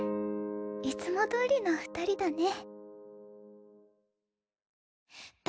いつもどおりの二人だね。